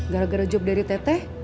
gara gara job dari teteh